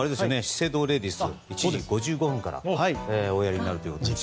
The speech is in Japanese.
資生堂レディス１時５５分からおやりになるということで。